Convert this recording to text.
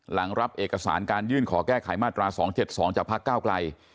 รับเอกสารการยื่นขอแก้ไขมาตรา๒๗๒จากพักก้าวไกล